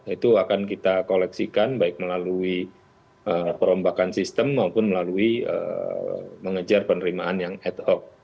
itu akan kita koleksikan baik melalui perombakan sistem maupun melalui mengejar penerimaan yang head of